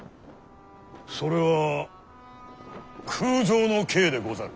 それは空城の計でござる。